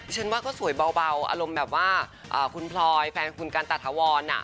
ฉันว่าก็สวยเบาอารมณ์แบบว่าคุณพลอยแฟนคุณกันตาถาวร